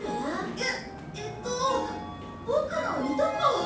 えっえっとボクのいとこ。